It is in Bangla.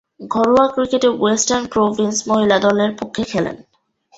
ঘরোয়া ক্রিকেটে ওয়েস্টার্ন প্রভিন্স মহিলা দলের পক্ষে খেলেন।